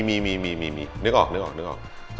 มีนึกออก